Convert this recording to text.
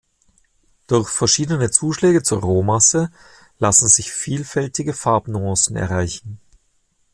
Durch verschiedene Zuschläge zur Rohmasse lassen sich vielfältige Farbnuancen erreichen.